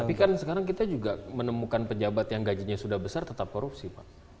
tapi kan sekarang kita juga menemukan pejabat yang gajinya sudah besar tetap korupsi pak